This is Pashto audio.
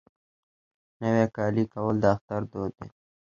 نوی کالی کول د اختر دود دی.